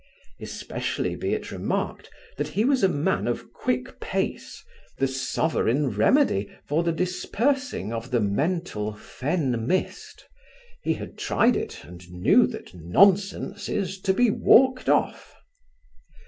Especially be it remarked, that he was a man of quick pace, the sovereign remedy for the dispersing of the mental fen mist. He had tried it and knew that nonsense is to be walked off.